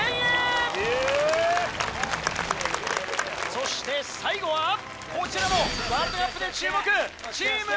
そして最後はこちらもワールドカップで注目。